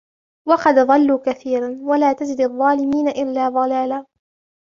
وَقَدْ أَضَلُّوا كَثِيرًا وَلَا تَزِدِ الظَّالِمِينَ إِلَّا ضَلَالًا